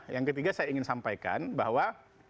yang ketiga saya ingin sampaikan bahwa